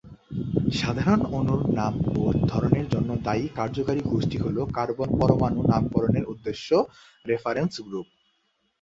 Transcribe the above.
সাধারণত অণুর নাম বা ধরণের জন্য দায়ী কার্যকরী গোষ্ঠী হল কার্বন-পরমাণু নামকরণের উদ্দেশ্যে 'রেফারেন্স' গ্রুপ।